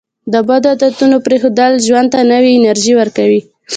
د بدو عادتونو پرېښودل ژوند ته نوې انرژي ورکوي.